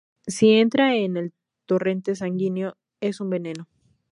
Si entra en el torrente sanguíneo es un veneno.